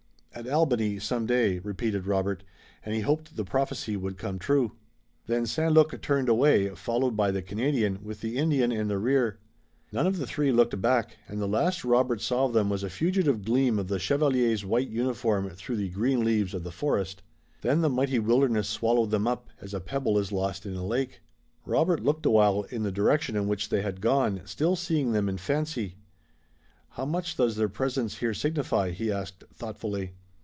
"At Albany some day," repeated Robert, and he hoped the prophecy would come true. Then St. Luc turned away, followed by the Canadian, with the Indian in the rear. None of the three looked back and the last Robert saw of them was a fugitive gleam of the chevalier's white uniform through the green leaves of the forest. Then the mighty wilderness swallowed them up, as a pebble is lost in a lake. Robert looked awhile in the direction in which they had gone, still seeing them in fancy. "How much does their presence here signify?" he asked thoughtfully.